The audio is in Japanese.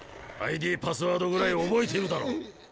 ＩＤパスワードぐらい覚えているだろ？